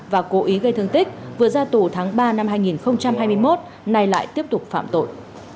và cố ý gây thương tích vừa ra tù tháng ba năm hai nghìn hai mươi một nay lại tiếp tục phạm tội